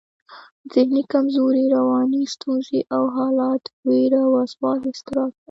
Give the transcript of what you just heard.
ذهني کمزوري، رواني ستونزې او حالت، وېره، وسواس، اضطراب